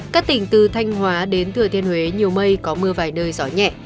các tỉnh từ thanh hóa đến thừa thiên huế nhiều mây có mưa vài nơi gió nhẹ